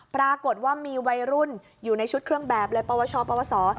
ปรากฏว่ามีวัยรุ่นอยู่ในชุดเครื่องแบบเลยปวชปวสอ